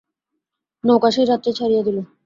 নৌকা সেই রাত্রেই ছাড়িয়া দিল।